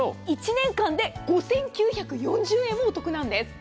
１年間で５９４０円もお得です。